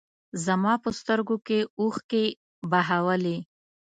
زما په سترګو کې اوښکې وبهولې.